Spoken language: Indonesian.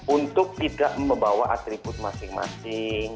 untuk tidak membawa atribut masing masing